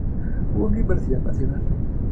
Universidad Nacional.